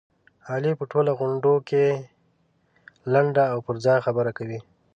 علي په ټولو غونډوکې لنډه او پرځای خبره کوي.